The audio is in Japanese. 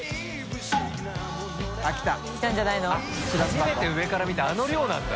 初めて上から見たあの量なんだ。